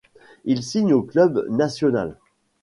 Il signe au Club Nacional.